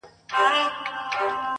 • تشه لاسه ته مي دښمن یې -